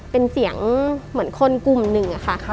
เป็นเสียงเหมือนคนกลุ่มหนึ่งอะค่ะ